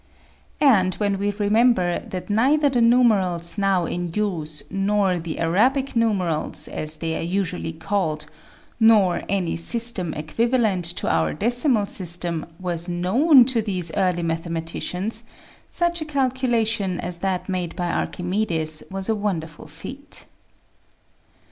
And when we remember that neither the numerals now in use nor the Arabic numerals, as they are usually called, nor any system equivalent to our decimal system, was known to these early mathematicians, such a calculation as that made by Archimedes was a wonderful feat.